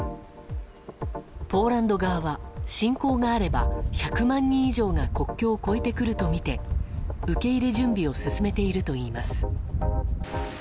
ポーランド側は侵攻があれば１００万人以上が国境を越えてくるとみて受け入れ準備を進めているといいます。